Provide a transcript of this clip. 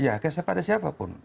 ya kayak siapa ada siapapun